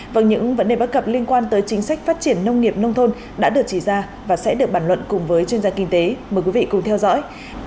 vâng những vấn đề bất cập liên quan tới chính sách phát triển nông nghiệp nông thôn đã được chỉ ra và sẽ được bàn luận cùng với chuyên gia kinh tế mời quý vị cùng theo dõi